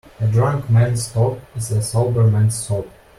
A drunk man's talk is a sober man's thought.